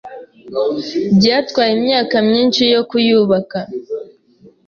Byatwaye imyaka myinshi yo kuyubaka.